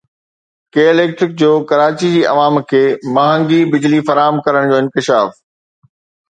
ڪي electric جو ڪراچي جي عوام کي مهانگي بجلي فراهم ڪرڻ جو انڪشاف